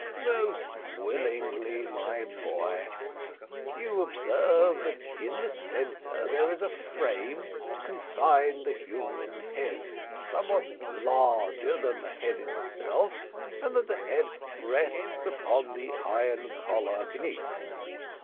"Most willingly, my boy. You observe that in the centre there is a frame to confine the human head, somewhat larger than the head itself, and that the head rests upon the iron collar beneath.